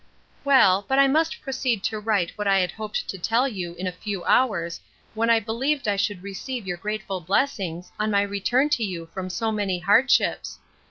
Well, but I must proceed to write what I had hoped to tell you in a few hours, when I believed I should receive your grateful blessings, on my return to you from so many hardships.